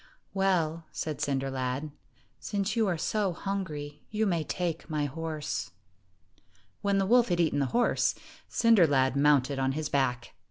"Well," said Cinder lad, "since you are so hungry, you may take my horse." When the wolf had eaten the horse, Cinder lad mounted on his back.